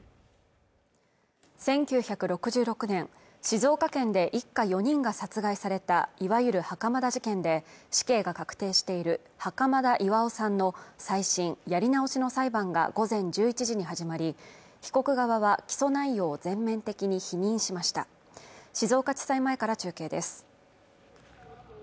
１９６６年静岡県で一家４人が殺害されたいわゆる袴田事件で死刑が確定している袴田巌さんの再審＝やり直しの裁判が午前１１時に始まり被告側は起訴内容を全面的に否認しました静岡地裁前から中継です